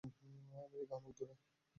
America অনেক দূরে।